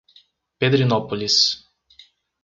Pedrinópolis